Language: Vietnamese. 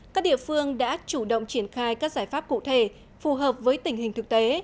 các địa phương đã chủ động triển khai các giải pháp cụ thể phù hợp với tình hình thực tế